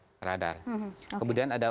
contohnya ada kemungkinan adalah radar